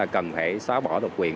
cần phải xóa bỏ độc quyền